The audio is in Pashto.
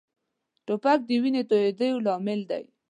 توپک د وینې تویېدو لامل دی.